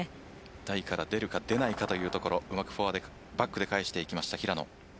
台から出るか出ないかというところうまくバックで返していきました平野。